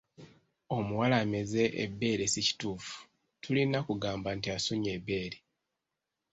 Omuwala ameze ebbeere si kituufu, tulina kugamba nti asunye ebbeere.